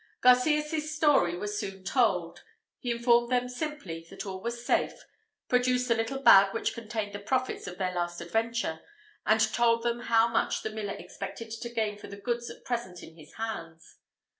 Garcias' story was soon told. He informed them simply, that all was safe, produced the little bag which contained the profits of their last adventure, and told them how much the miller expected to gain for the goods at present in his hands.